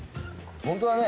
ホントだね。